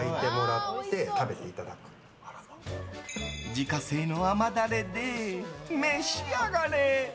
自家製の甘ダレで召し上がれ。